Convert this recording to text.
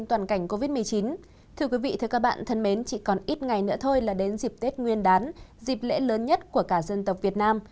thưa quý vị chỉ còn ít ngày nữa thôi là đến dịp tết nguyên đán dịp lễ lớn nhất của cả dân tộc việt nam